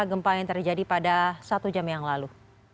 gempa yang terjadi pada satu jam yang lalu